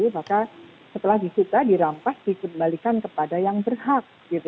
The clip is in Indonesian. maka setelah disita dirampas dikembalikan kepada yang berhak